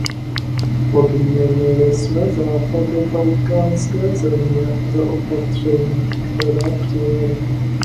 Odměnili jsme západobalkánské země za opatření, která přijaly.